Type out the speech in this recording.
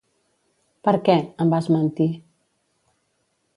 Per què, em vas mentir.